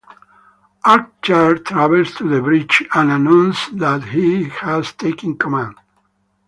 Archer travels to the bridge and announces that he has taken command.